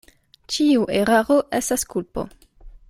Ĉiu eraro estas kulpo.